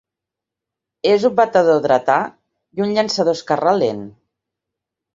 És un batedor dretà i un llançador esquerrà lent.